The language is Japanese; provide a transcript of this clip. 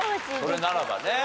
それならばね。